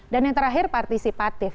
dan yang terakhir partisipatif